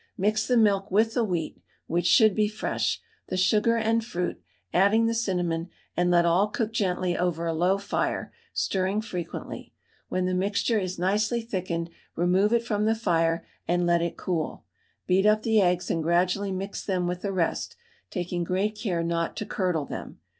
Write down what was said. Mix the milk with the wheat (which should be fresh), the sugar and fruit, adding the cinnamon, and let all cook gently over a low fire, stirring frequently; when the mixture is nicely thickened remove it from the fire and let it cool; beat up the eggs and gradually mix them with the rest, taking great care not to curdle them.